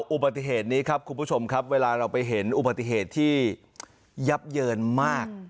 อุบัติเหตุนี้ครับคุณผู้ชมครับเวลาเราไปเห็นอุบัติเหตุที่ยับเยินมาก